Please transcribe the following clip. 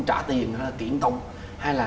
trả tiền kiện tụng hay là